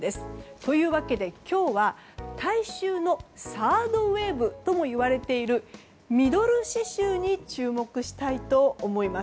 というわけで今日は体臭のサードウェーブといわれているミドル脂臭に注目したいと思います。